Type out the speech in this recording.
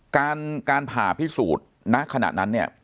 การการผ่าพิสูจน์ณขณะนั้นเนี่ย